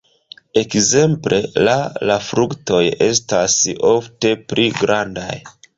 Ekzemple la la fruktoj estas ofte pli grandaj.